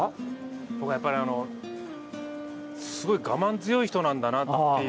僕はやっぱりすごい我慢強い人なんだなっていう。